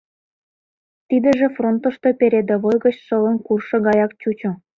Тидыже фронтышто передовой гыч шылын куржшо гаяк чучо.